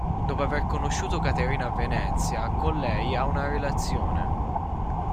Dopo aver conosciuto Caterina a Venezia, con lei ha una relazione.